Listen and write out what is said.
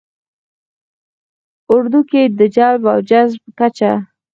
ه اردو کې د جلب او جذب کچه